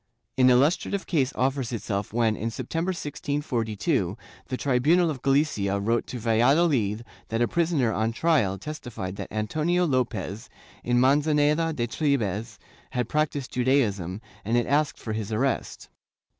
An illustrative case offers itself when, in September, 1642, the tribunal of Galicia wrote to Valladolid that a prisoner on trial testified that Antonio Lopez, in Manzaneda de Tribes, had practised Judaism, and it asked for his arrest.